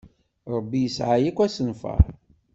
Rebbi yesɛa-ak asenfaṛ.